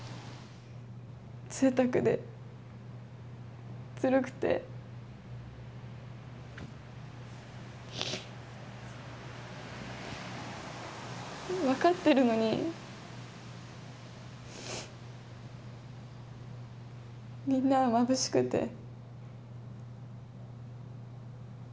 ぜいたくで、ずるくて、分かってるのに、みんなまぶしくて。